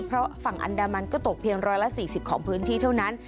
เพราะฝั่งอันดามันก็ตกเพียง๑๔๐ของพื้นที่เท่านั้น